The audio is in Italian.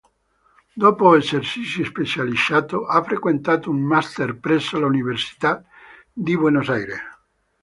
Dopo essersi specializzato ha frequentato un master presso l'Università di Buenos Aires.